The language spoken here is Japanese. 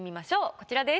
こちらです。